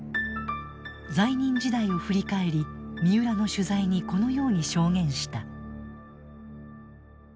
在任時代を振り返り三浦の取材にこのように証言した。